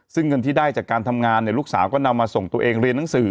ซึ่งเงินที่ได้จากการทำงานลูกสาวก็นำมาส่งตัวเองเรียนหนังสือ